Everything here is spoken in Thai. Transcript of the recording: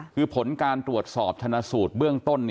คือผลการตรวจสอบทัณฑ์ศูนย์เบื่องต้น